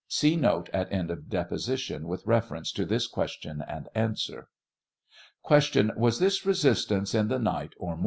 [See note at end of deposition with reference to this question and answer.] Q, Was this resistance in the night or morning?